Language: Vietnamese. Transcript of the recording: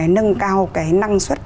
nâng cao cái năng suất